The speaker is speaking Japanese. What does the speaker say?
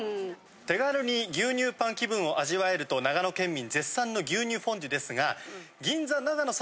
手軽に牛乳パン気分を味わえると長野県民絶賛の牛乳フォンデュですが。